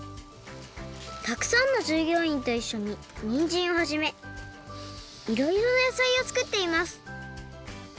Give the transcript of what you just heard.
たくさんのじゅうぎょういんといっしょににんじんをはじめいろいろなやさいをつくっています。